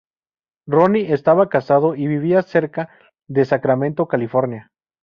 Ronnie estaba casado y vivía cerca de Sacramento, California.